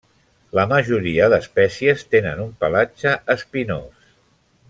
La majoria d'espècies tenen un pelatge espinós.